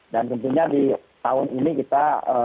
tentunya di tahun ini kita